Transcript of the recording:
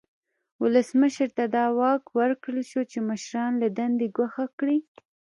ولسمشر ته دا واک ورکړل شو چې مشران له دندې ګوښه کړي.